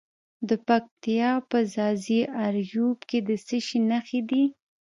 د پکتیا په ځاځي اریوب کې د څه شي نښې دي؟